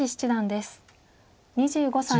２５歳。